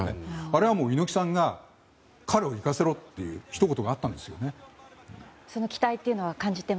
あれは猪木さんが彼を行かせろというひと言があったんですよね。